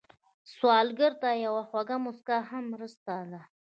سوالګر ته یوه خوږه مسکا هم مرسته ده